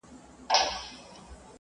ترانه یې لا تر خوله نه وه وتلې ..